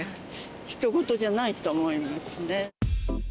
ひと事じゃないと思いますね。